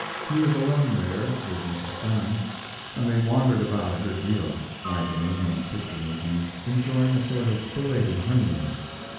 He was alone there with Mrs. Clemens, and they wandered about a good deal, idling and picture making, enjoying a sort of belated honeymoon.